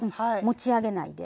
持ち上げないで。